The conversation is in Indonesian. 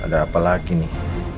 ada apa lagi nih